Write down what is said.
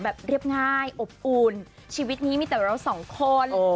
เรียบง่ายอบอุ่นชีวิตนี้มีแต่เราสองคน